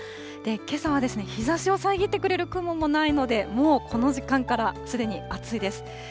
けさは日ざしを遮ってくれる雲もないので、もうこの時間からすでに暑いです。